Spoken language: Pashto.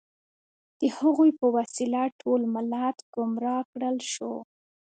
د هغوی په وسیله ټول ملت ګمراه کړل شو.